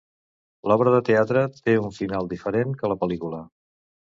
L'obra de teatre té un final diferent que la pel·lícula.